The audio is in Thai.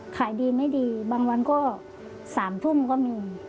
ขายดีไม่ดีบางวันก็๓ทุ่มก็มี